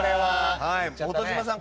本島さん